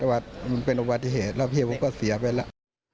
มันเป็นอุบัติเหตุแล้วพี่ผมก็เสียไปแล้ว